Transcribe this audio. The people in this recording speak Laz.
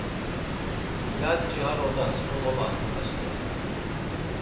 Laç̌i ar odas komolaxunes dort̆u.